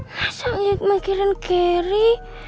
masa mengikirin kerry